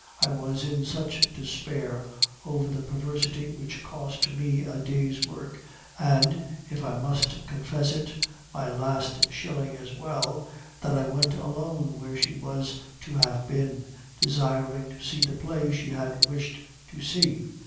I was in such despair over the perversity which cost me a day's work, and (if I must confess it) my last shilling as well, that I went alone where she was to have been, desiring to see the play she had wished to see.